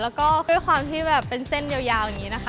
แล้วก็ด้วยความที่แบบเป็นเส้นยาวอย่างนี้นะคะ